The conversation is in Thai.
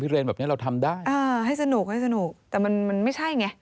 เรนแบบนี้เราทำได้อ่าให้สนุกให้สนุกแต่มันมันไม่ใช่ไง